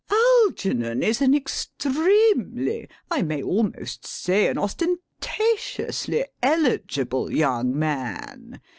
Algernon is an extremely, I may almost say an ostentatiously, eligible young man.